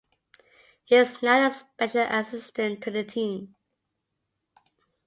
He is now a special assistant to the team.